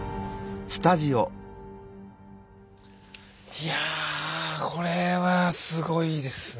いやこれはすごいですね。